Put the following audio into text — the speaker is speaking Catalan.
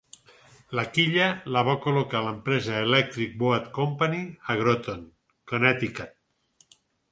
La quilla la va col·locar l'empresa Electric Boat Company a Groton, Connectitut.